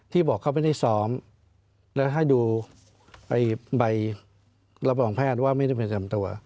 บอกเขาไม่ได้ซ้อมและให้ดูใบรับรองแพทย์ว่าไม่ได้ประจำตัว